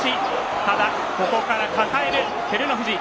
ここから抱える、照ノ富士。